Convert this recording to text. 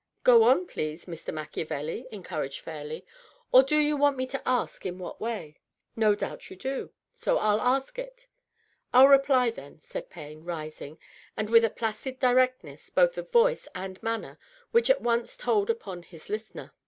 " Go on, please, Mr. Machiavelli," encouraged Fairleigh. " Or do you want me to ask in what way? No doubt you do ; so I'll ask it." " I'll reply, then," said Payne, rising, and with a placid directness both of voice and manner which at once told upon his listener.